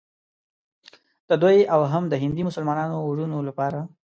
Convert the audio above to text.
د دوی او هم د هندي مسلمانانو وروڼو لپاره.